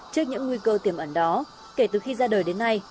trước những nguy cơ tiềm ẩn đó kể từ khi ra đời đến nay